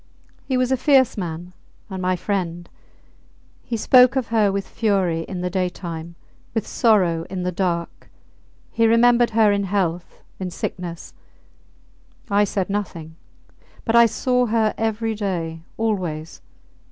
He was a fierce man, and my friend. He spoke of her with fury in the daytime, with sorrow in the dark; he remembered her in health, in sickness. I said nothing; but I saw her every day always!